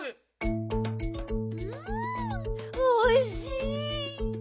んおいしい。